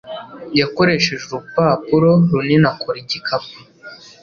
Yakoresheje urupapuro runini akora igikapu.